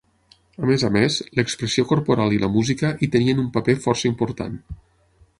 A més a més, l'expressió corporal i la música hi tenien un paper força important.